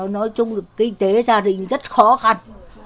nói chung là kinh tế gia đình rất khó khăn